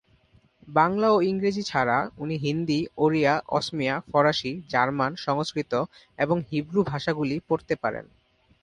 বাংলা ও ইংরেজি ছাড়া উনি হিন্দি, ওড়িয়া, অসমীয়া, ফরাসী, জার্মান, সংস্কৃত এবং হিব্রু ভাষাগুলি পড়তে পারেন।